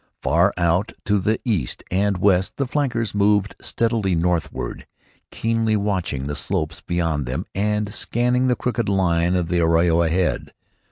Far out to the east and west the flankers moved steadily northward, keenly watching the slopes beyond them and scanning the crooked line of the arroyo ahead.